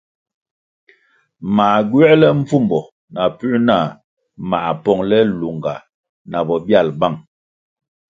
Mā gywēle mbvumbo na puē nah mā pongʼle lunga na bobyal bang.